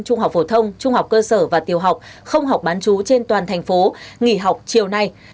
trung học phổ thông trung học cơ sở và tiều học không học bán chú trên toàn thành phố nghỉ học chiều nay